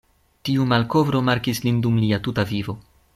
Tiu malkovro markis lin dum lia tuta vivo.